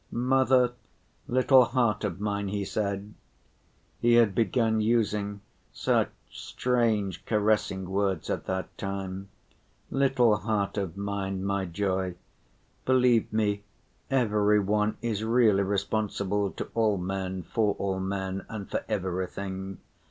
"Mother, little heart of mine," he said (he had begun using such strange caressing words at that time), "little heart of mine, my joy, believe me, every one is really responsible to all men for all men and for everything.